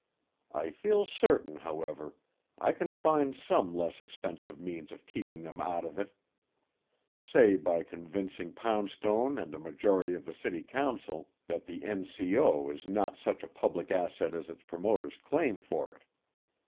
I feel certain, however, I can find some less expensive means of keeping them out of it say by convincing Poundstone and a majority of the city council that the N. C. O. is not such a public asset as its promoters claim for it.